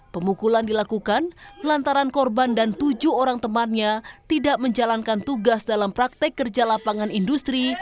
pemukulan dilakukan lantaran korban dan tujuh orang temannya tidak menjalankan tugas dalam praktek kerja lapangan industri